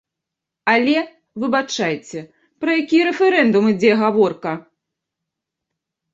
Але, выбачайце, пра які рэферэндум ідзе гаворка?